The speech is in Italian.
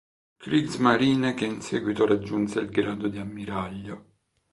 Kriegsmarine che in seguito raggiunse il grado di ammiraglio.